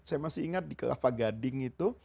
saya masih ingat di kelapa gading itu